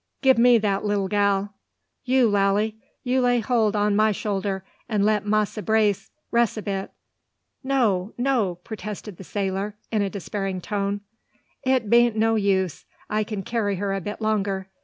Gib me de lilly gal. You Lally! you lay hold on ma shoulder, and let Massa Brace ress a bit." "No, no!" protested the sailor, in a despairing tone. "It bean't no use. I can carry her a bit longer.